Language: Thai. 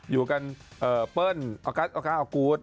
อยู่กันเปิ้ลออกัสออกุฏ